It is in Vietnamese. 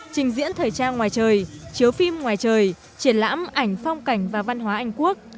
trình diễn thời trang ngoài trời chiếu phim ngoài trời triển lãm ảnh phong cảnh và văn hóa anh quốc